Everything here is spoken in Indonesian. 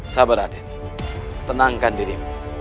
sabar adem tenangkan dirimu